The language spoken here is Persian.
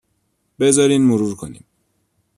بذارین مرور کنیم.